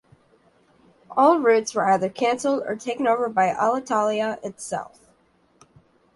All routes were either cancelled or taken over by Alitalia itself.